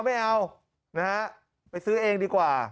นะฮะไปซื้อเองดีกว่า